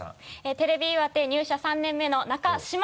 テレビ岩手入社３年目のなかしま！